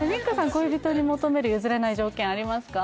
恋人に求める譲れない条件ありますか？